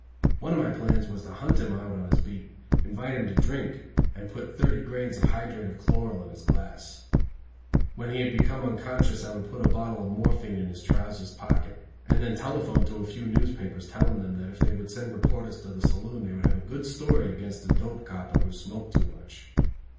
One of my plans was to hunt him out on his beat, invite him to drink, and put thirty grains of hydrate of chloral in his glass. When he had become unconscious I would put a bottle of morphine in his trousers pocket, and then telephone to a few newspapers telling them that if they would send reporters to the saloon they would have a good story against a dope copper who smoked too much.